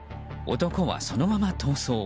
男は、そのまま逃走。